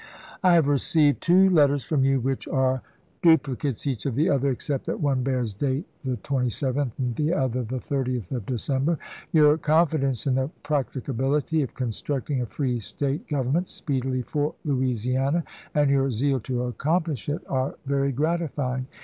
I have received two letters from you which are dupli cates each of the other, except that one bears date the 1863. 27th and the other the 30th of December. Your confi dence in the practicability of constructing a free State government speedily for Louisiana, and your zeal to accomplish it, are very gratifying.